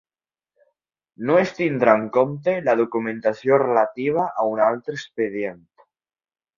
No es tindrà en compte la documentació relativa a un altre expedient.